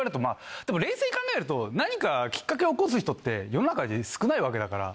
でも冷静に考えると何かきっかけを起こす人って世の中で少ないわけだから。